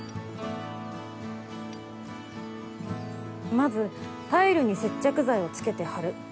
まずタイルに接着剤を付けて貼る。